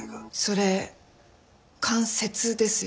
それ「関節」ですよね。